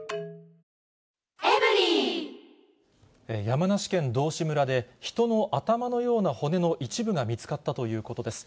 山梨県道志村で、人の頭のような骨の一部が見つかったということです。